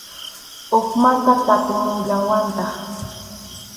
Hukmanta tapumuwallantaq.